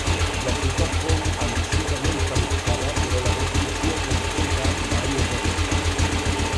La ciutat fou ambiciosament planificada però la construcció completa mai es va fer.